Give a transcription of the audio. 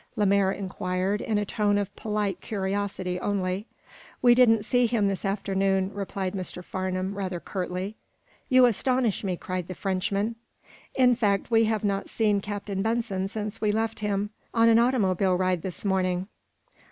Lemaire inquired, in a tone of polite curiosity only. "We didn't see him this afternoon," replied Mr. Farnum, rather curtly. "You astonish me," cried the Frenchman. "In fact we have not seen Captain Benson since we left him on an automobile ride this morning."